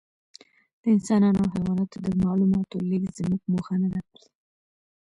د انسانانو او حیواناتو د معلوماتو لېږد زموږ موخه نهده.